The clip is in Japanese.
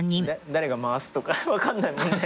誰が回すとか分かんないもんね。